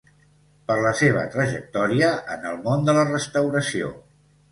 Per la seva trajectòria en el món de la restauració.